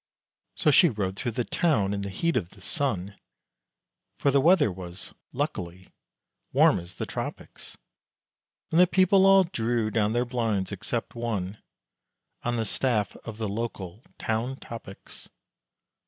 So she rode through the town, in the heat of the sun, For the weather was (luckily) warm as the Tropics, And the people all drew down their blinds except one, On the staff of the local "Town Topics."